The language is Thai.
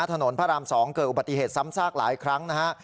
ถนนพระราม๒เกิดอุบัติเหตุซ้ำซากหลายครั้งนะฮะ